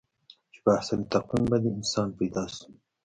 چې په احسن تقویم باندې انسان پیدا شو.